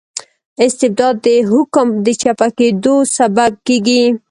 استبداد د حکوم د چپه کیدو سبب کيږي.